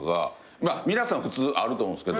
皆さん普通あると思うんですけど。